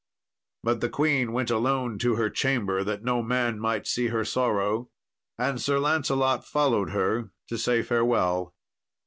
But the queen went alone to her chamber, that no man might see her sorrow; and Sir Lancelot followed her to say farewell.